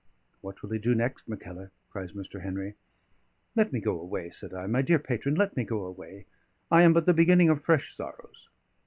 "What will he do next, Mackellar?" cries Mr. Henry. "Let me go away," said I. "My dear patron, let me go away; I am but the beginning of fresh sorrows."